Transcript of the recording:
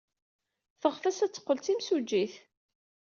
Teɣtes ad teqqel d timsujjit.